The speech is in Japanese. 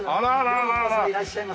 ようこそいらっしゃいませ。